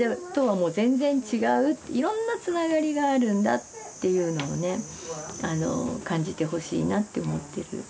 いろんなつながりがあるんだっていうのをね感じてほしいなって思ってる。